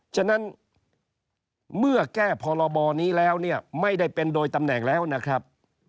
ฉะนั้นเมื่อแก้พรบนี้แล้วเนี่ยไม่ได้เป็นโดยตำแหน่งแล้วนะครับ